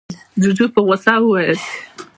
جُوجُو په غوسه وويل: